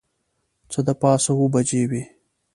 څه د پاسه اوه بجې وې.